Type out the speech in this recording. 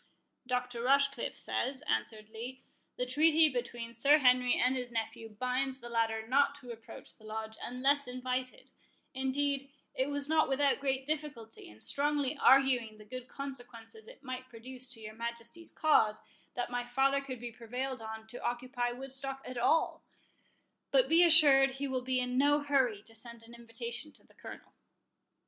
"Dr. Rochecliffe says," answered Lee, "the treaty between Sir Henry and his nephew binds the latter not to approach the Lodge, unless invited;—indeed, it was not without great difficulty, and strongly arguing the good consequences it might produce to your Majesty's cause, that my father could be prevailed on to occupy Woodstock at all; but be assured he will be in no hurry to send an invitation to the Colonel."